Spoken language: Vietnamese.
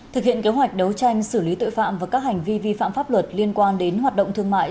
thực hiện kế hoạch đấu tranh xử lý tội phạm và các hành vi vi phạm pháp luật liên quan đến hoạt động thương mại